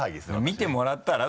見てもらったら？